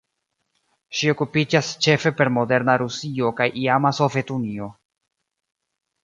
Ŝi okupiĝas ĉefe per moderna Rusio kaj iama Sovetunio.